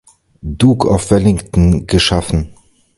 Duke of Wellington, geschaffen.